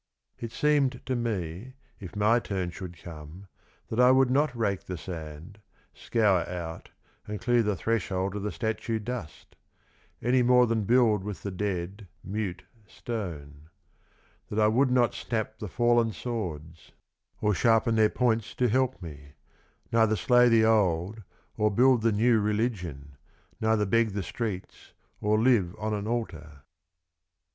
It seemed to me, if my turn should come, that I would not rake the sand, scour out, and clear the threshold of the statue dust ; any more than build with tho dead, mute, stone ; that I would not snap the fallen swords, or sharpen their points to help me, neither slay the old, or build the new religion, neither beg the streets, or live on an altar.